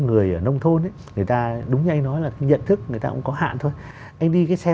người ở nông thôn ấy người ta đúng như anh nói là nhận thức người ta cũng có hạn thôi anh đi cái xe